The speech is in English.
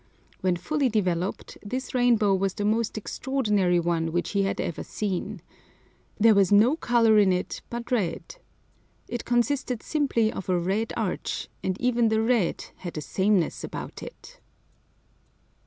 When fully developed, this rainbow was the most extraordinary one which he had ever seen. There was no colour in it but red. It consisted simply of a red arch, and even the red had a sameness about it.